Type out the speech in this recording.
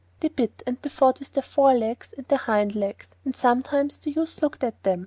They bit, and they fought with their fore legs and their hind legs, and sometimes the youth looked at them.